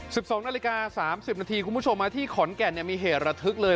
สิบสองนาฬิกาสามสิบนาทีคุณผู้ชมมาที่ขอนแก่นเนี่ยมีเหตุระทึกเลย